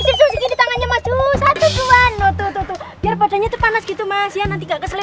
satu ratus dua puluh tiga besok ini tangannya masuk satu dua noto toto biarpadanya terpanas gitu mas ya nanti gak kesel